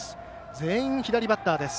全員左バッターです。